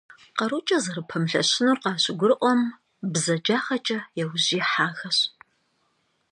Къарукӏэ зэрыпэмылъэщынур къащыгурыӏуэм, бзаджагъэкӏэ яужь ихьахэщ.